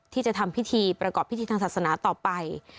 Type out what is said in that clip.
ที่จะทำพิธีประกอบพิธีทางศาสนาต่อไป